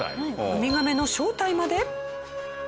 ウミガメの正体まで。